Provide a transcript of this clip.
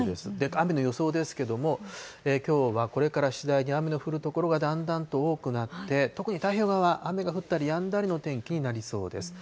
雨の予想ですけれども、きょうはこれから次第に雨の降る所がだんだんと多くなって、特に太平洋側、雨が降ったりやんだりの天気になりそうです。